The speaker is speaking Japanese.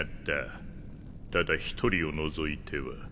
ただ一人を除いては。